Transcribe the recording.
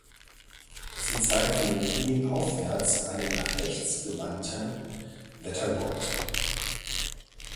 Sie zeigt von den Knien aufwärts einen nach rechts gewandten Wettergott.